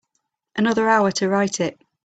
Another hour to write it.